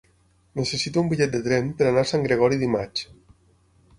Necessito un bitllet de tren per anar a Sant Gregori dimarts.